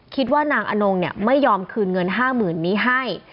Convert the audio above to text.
คิดว่านางอโน้มเนี่ยไม่ยอมคืนเงิน๕๐๐๐๐บาทนี้ให้